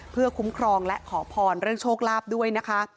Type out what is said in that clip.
เพื่อคุ้มครองและขอพรเรื่องโชคลาภด้วยนะคะ